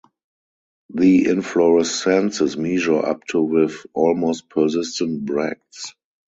The inflorescences measure up to with almost persistent bracts.